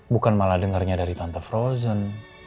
bukan malah dengarnya dari tante frozen